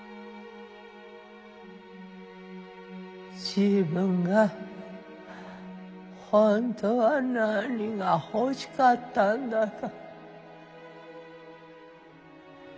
自分が本当は何が欲しかったんだか。